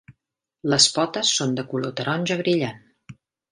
Les potes són de color taronja brillant.